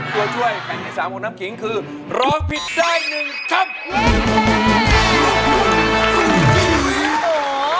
ตัวช่วยแผ่นที่สามของน้ำขิงคือร้องผิดใจหนึ่งช้ำ